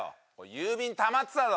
郵便たまってたぞ。